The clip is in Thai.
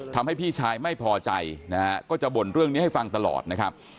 พี่ชายไม่พอใจนะฮะก็จะบ่นเรื่องนี้ให้ฟังตลอดนะครับ